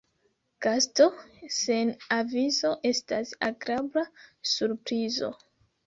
Gasto sen avizo estas agrabla surprizo.